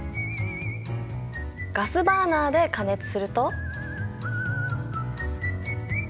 ガスバーナーで加熱すると。